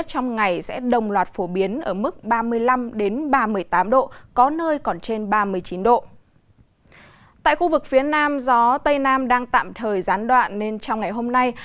trong gió tây nam đang tạm thời gián đoạn nên trong ngày hôm nay